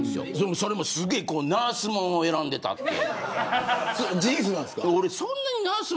それもすごいナースものを選んでたっていう。